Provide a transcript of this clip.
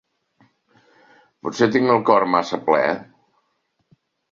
Potser tinc el cor massa ple?